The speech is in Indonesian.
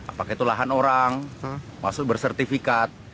apakah itu lahan orang maksud bersertifikat